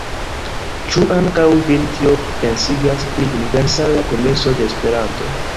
Ĉu ankaŭ vin tio pensigas pri Universala Kongreso de Esperanto?